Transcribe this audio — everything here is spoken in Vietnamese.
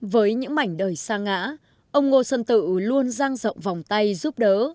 với những mảnh đời xa ngã ông ngô xuân tự luôn giang rộng vòng tay giúp đỡ